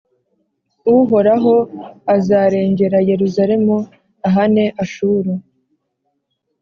Uhoraho azarengera Yeruzalemu; ahane Ashuru